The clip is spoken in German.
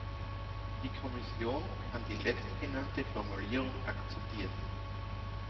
Die Kommission kann die letztgenannte Formulierung akzeptieren.